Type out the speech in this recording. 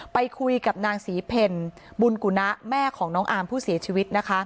ไปคุยกับนางศรีเพลบุญกุณะแม่ของน้องอามผู้เสียชีวิตนะคะ